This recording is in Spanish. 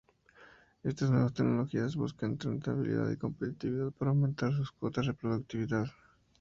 Estas nuevas tecnologías buscan rentabilidad y competitividad para aumentar sus cuotas de productividad.